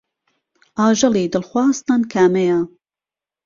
ئاژەڵی دڵخوازتان کامەیە؟